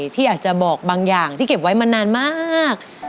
ที่อยากจะบอกบางอย่างที่เก็บไว้มานานมาก